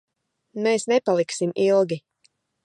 Mēs nepaliksim ilgi.